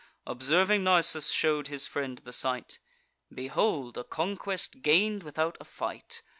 Observing Nisus shew'd his friend the sight: "Behold a conquest gain'd without a fight.